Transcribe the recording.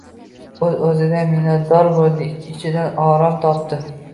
O’z-o‘zidan minnatdor bo‘ldi. Ich-ichidan orom topdi.